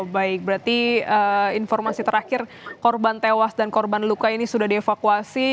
baik berarti informasi terakhir korban tewas dan korban luka ini sudah dievakuasi